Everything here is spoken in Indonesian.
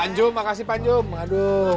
panjom makasih panjom aduh